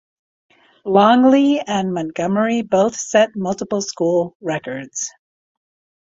Longley and Montgomery both set multiple school records.